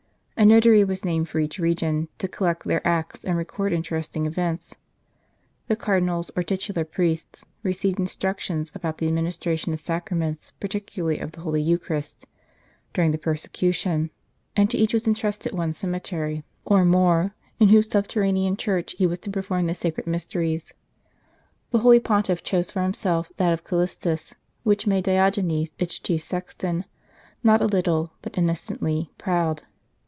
A notary was named for each region, to collect their acts and record interesting events. The cardinals, or titular priests, received instructions about the administra tion of sacraments, particularly of the Holy Eucharist, during the persecution ; and to each was intrusted one cemetery or * Sixty was the fall age, but admission was givea sometimes at forty. more, in whose subterranean church he was to perform the sacred mysteries. The holy Pontiff chose for himself that of Callistus, which made Diogenes, its chief sexton, not a little, but innocently, proud.